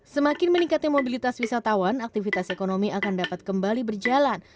semakin meningkatnya mobilitas wisatawan aktivitas ekonomi akan dapat kembali berjalan